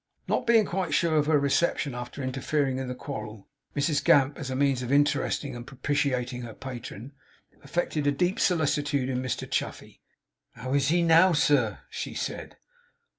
Not being quite sure of her reception after interfering in the quarrel, Mrs Gamp, as a means of interesting and propitiating her patron, affected a deep solicitude in Mr Chuffey. 'How is he now, sir?' she said.